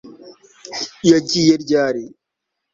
Yagiye ryari